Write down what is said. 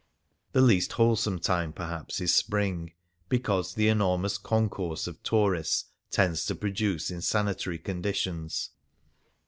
The least wholesome time perhaps is spring, because the enormous concourse of tourists tends to produce insanitary conditions.